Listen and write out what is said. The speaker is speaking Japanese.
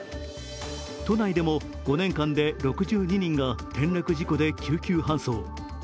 都内でも５年間で６２人が転落事故で救急搬送。